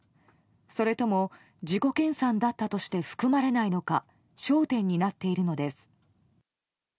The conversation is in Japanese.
それとも、自己研鑽だったとして含まれないのか焦点になっているのです。